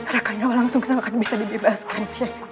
rakanya walang sungsang akan bisa dibebaskan